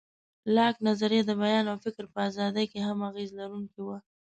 لاک نظریه د بیان او فکر په ازادۍ کې هم اغېز لرونکی و.